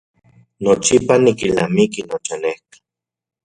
Nochipa nikilnamiki nochanejka.